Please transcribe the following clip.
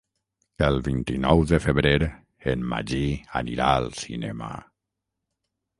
El vint-i-nou de febrer en Magí anirà al cinema.